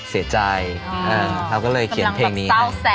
เออเรายังไม่ได้แต่งอันนี้